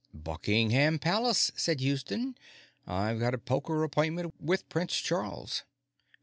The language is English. "Buckingham Palace," said Houston. "I've got a poker appointment with Prince Charles."